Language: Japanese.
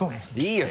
いいよ